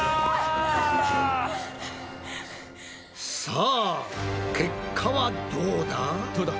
１！さあ結果はどうだ？